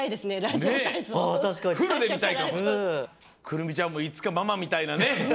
くるみちゃんもいつかママみたいなね